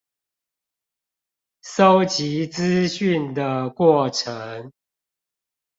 搜集資訊的過程